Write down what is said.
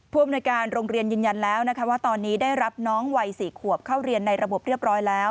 อำนวยการโรงเรียนยืนยันแล้วนะคะว่าตอนนี้ได้รับน้องวัย๔ขวบเข้าเรียนในระบบเรียบร้อยแล้ว